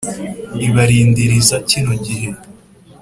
ibarindiriza kino gihe